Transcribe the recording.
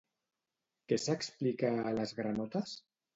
Què s'explica a Les granotes?